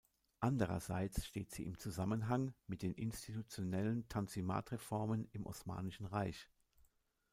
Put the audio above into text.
Anderseits steht sie im Zusammenhang mit den institutionellen Tanzimat-Reformen im Osmanischen Reich.